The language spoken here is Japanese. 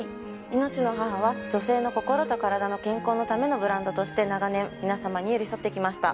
「命の母」は女性の心と体の健康のためのブランドとして長年皆さまに寄り添って来ました。